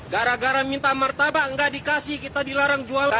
gara gara minta martabak nggak dikasih kita dilarang jualan